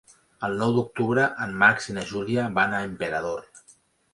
El nou d'octubre en Max i na Júlia van a Emperador.